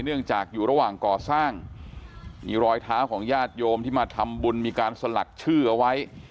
เนื่องจากอยู่ระหว่างก่อสร้างมีรอยเท้าของญาติโยมที่มาทำบุญมีการสลักชื่อเอาไว้